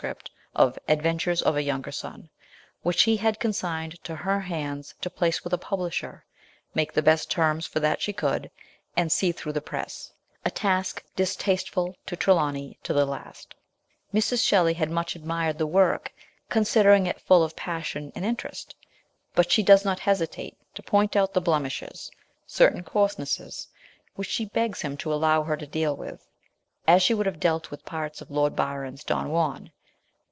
of The Adven tures of a Younger Son, which he had consigned to her hands to place with a publisher, make the best terms for that she could, and see through the press ; a 182 MES. SHELLEY. task distasteful to Trelawny to the last. Mrs. Shelley much admired the work, considering it full of passion and interest. But she does not hesitate to point out the blemishes, certain coarsenesses, which she begs him to allow her to deal with, as she would have dealt with parts of Lord Byron's Don Juan.